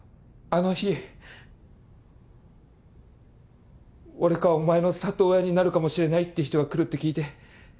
あの日俺かお前の里親になるかもしれないって人が来るって聞いて。